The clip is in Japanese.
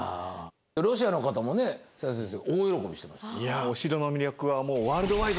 ロシアの方もね千田先生大喜びしてました。